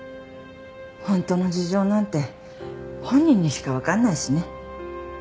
本当の事情なんて本人にしかわかんないしね。